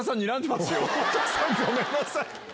太田さんごめんなさい。